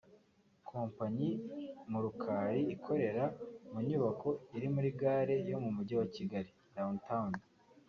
Kompanyi Murukali ikorera mu nyubako iri muri gare yo mu mujyi wa Kigali (Downtown)